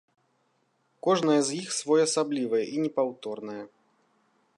Кожнае з іх своеасаблівае і непаўторнае.